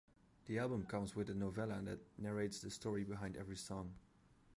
The album comes with a novella that narrates the story behind every song.